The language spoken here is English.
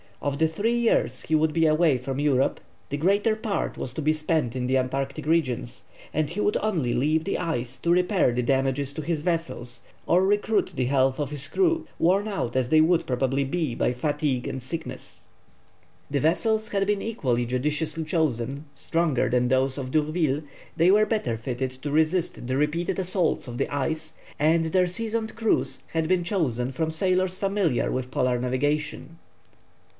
Of the three years he would be away from Europe, the greater part was to be spent in the Antarctic regions, and he would only leave the ice to repair the damages to his vessels or recruit the health of his crew, worn out as they would probably be by fatigue and sickness. The vessels had been equally judiciously chosen, stronger than those of D'Urville, they were better fitted to resist the repeated assaults of the ice, and their seasoned crews had been chosen from sailors familiar with polar navigation.